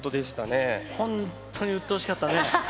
本当にうっとうしかったね。